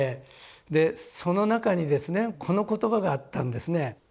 でその中にですねこの言葉があったんですね。